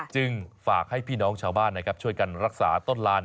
จึงฝากให้พี่น้องชาวบ้านนะครับช่วยกันรักษาต้นลาน